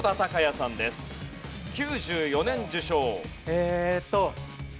えーっと。